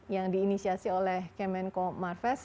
yang diinisiasi oleh kemenko marves